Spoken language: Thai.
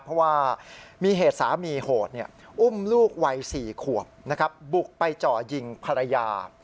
เพราะว่ามีเหตุสามีโหดอุ้มลูกวัย๔ขวบบุกไปจ่อยิงภรรยา